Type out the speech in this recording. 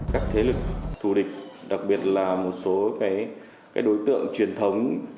các thế lực thù địch đặc biệt là một số đối tượng truyền thống